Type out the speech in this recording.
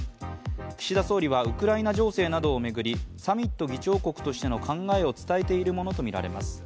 岸田総理はウクライナ情勢などを巡りサミット議長国としての考えを伝えているものとみられます。